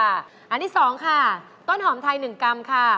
อันที่๒ค่ะต้นหอมไทย๑กรัมค่ะ